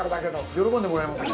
喜んでもらえますね。